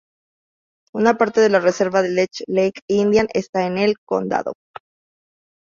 Una parte de la reserva Leech Lake Indian esta en el condado.